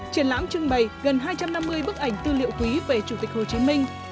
triển lãm trưng bày gần hai trăm năm mươi bức ảnh tư liệu quý về chủ tịch hồ chí minh